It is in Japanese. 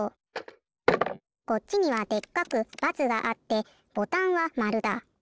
こっちにはでっかく×があってボタンは○だ。